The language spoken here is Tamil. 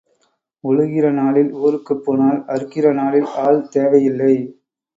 உழுகிற நாளில் ஊருக்குப் போனால், அறுக்கிற நாளில் ஆள் தேவையில்லை.